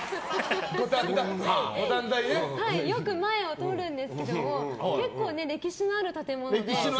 よく前を通るんですけども結構、歴史のある建物で。